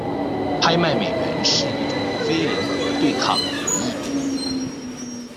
拍卖美元是一种非零和对抗博弈。